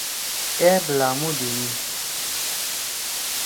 أر لامو دئیی۔